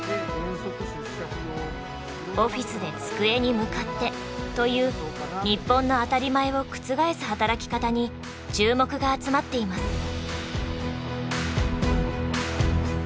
オフィスで机に向かってという日本の当たり前を覆す働き方に注目が集まっています。